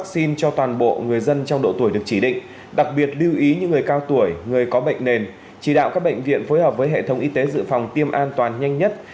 xin chào và hẹn gặp lại trong các bộ phim tiếp theo